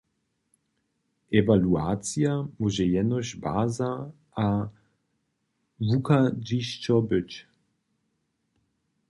Ewaluacija móže jenož baza a wuchadźišćo być.